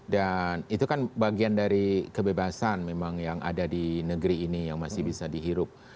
dan itu kan bagian dari kebebasan memang yang ada di negeri ini yang masih bisa dihirup